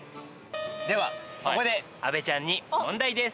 ではここで阿部ちゃんに問題です。